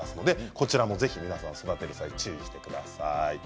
こちらも、ぜひ皆さん注意してください。